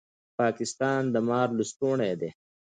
پاکستان د مار لستوڼی دی